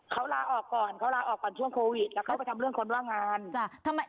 เขาลาออกก่อนเขาลาออกก่อนช่วงโควิดแล้วเขาไปทำเรื่องคนว่างงาน